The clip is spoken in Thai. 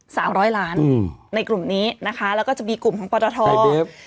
สามร้อยล้านอืมในกลุ่มนี้นะคะแล้วก็จะมีกลุ่มของปตทครับ